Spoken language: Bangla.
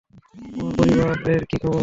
তোমার পরিবারের কি খবর?